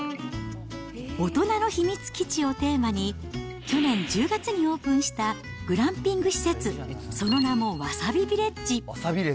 大人の秘密基地をテーマに、去年１０月にオープンしたグランピング施設、その名もわさびビレッジ。